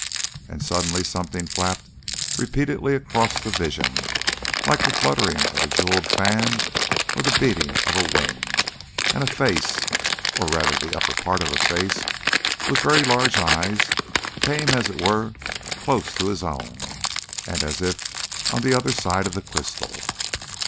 And suddenly something flapped repeatedly across the vision, like the fluttering of a jewelled fan or the beating of a wing, and a face, or rather the upper part of a face with very large eyes, came as it were close to his own and as if on the other side of the crystal.